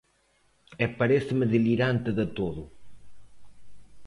E paréceme delirante de todo.